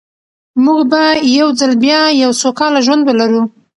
موږ به یو ځل بیا یو سوکاله ژوند ولرو.